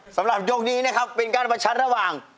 สำหรับยกนี้นะครับเป็นการประชันระหว่าง